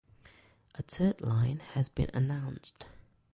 A third line has been announced.